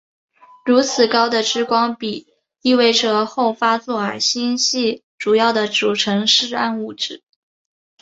如此高的质光比意味着后发座矮星系主要的组成是暗物质。